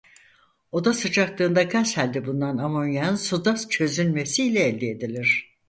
Oda sıcaklığında gaz hâlde bulunan amonyağın suda çözünmesi ile elde edilir.